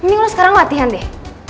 ini lo sekarang latihan deh